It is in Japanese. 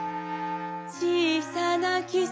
「ちいさなきさん